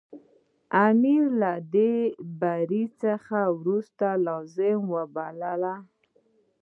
امیر له دې بري څخه وروسته لازمه وبلله.